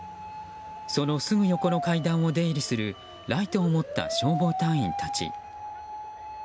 そのすぐ横の階段を出入りするライトを持った消防隊員たち。